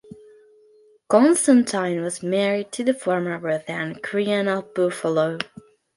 Constantine was married to the former Ruth Ann Cryan of Buffalo.